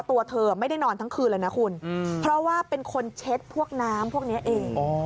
ตัวเธอไม่ได้นอนทั้งคืนเลยนะคุณเพราะว่าเป็นคนเช็ดพวกน้ำพวกนี้เอง